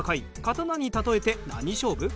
刀に例えて何勝負？